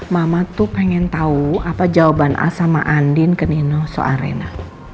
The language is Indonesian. mama tuh pengen tahu apa jawaban asal sama andin ke nino soarena